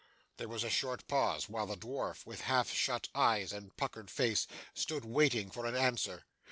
There was a short pause, while the dwarf, with half shut eyes and puckered face, stood waiting for an answer.